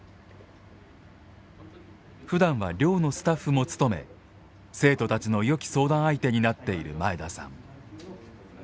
ふだんは寮のスタッフも務め生徒たちのよき相談相手になっている前田さん。